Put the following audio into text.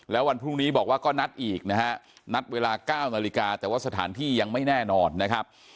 แล้ววันพรุ่งนี้บอกว่าก็นัดอีกนะฮะนัดเวลา๙นาฬิกาแต่ว่าสถานที่ยังไม่แน่นอนนะครับ